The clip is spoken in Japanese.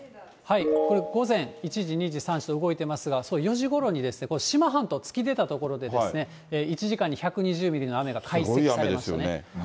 これ、午前１時、２時、３時と動いていますが、４時に志摩半島突き出た所、１時間に１２０ミリの雨が解析されましたね。